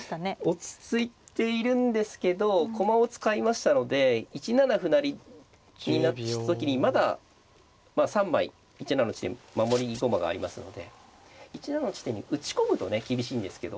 落ち着いているんですけど駒を使いましたので１七歩成にした時にまだ３枚１七の地点守り駒がありますので１七の地点に打ち込むとね厳しいんですけど。